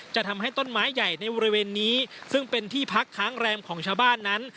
จะทำให้ต้นไม้ใหญ่ในบริเวณนี้ซึ่งเป็นที่พักค้างแรมของชาวบ้านนั้น